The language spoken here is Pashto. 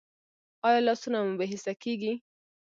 ایا لاسونه مو بې حسه کیږي؟